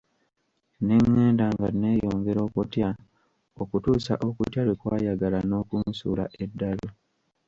Ne ngenda nga neeyongera okutya okutuusa okutya lwe kwayagala n'okunsuula eddalu.